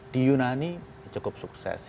di yunani cukup sukses